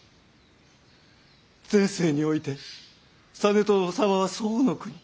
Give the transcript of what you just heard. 前世において実朝様は宋の国